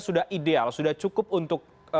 sudah ideal sudah cukup untuk